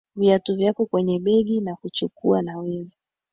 viatu vyako kwenye begi na kuchukua na wewe